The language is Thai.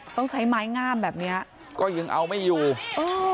ต้องใช้ไม้งามแบบเนี้ยก็ยังเอาไม่อยู่เออ